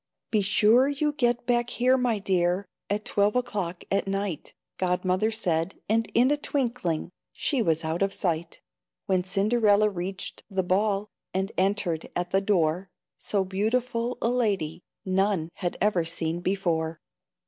"Be sure you get back here, my dear, At twelve o'clock at night," Godmother said, and in a twinkling She was out of sight. When Cinderella reached the ball, And entered at the door, So beautiful a lady None had ever seen before.